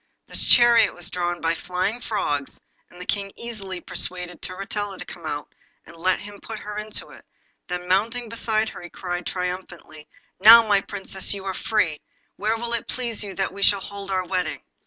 This chariot was drawn by flying frogs, and the King easily persuaded Turritella to come out and let him put her into it, then mounting beside her he cried triumphantly 'Now, my Princess, you are free; where will it please you that we shall hold our wedding?